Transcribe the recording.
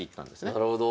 なるほど。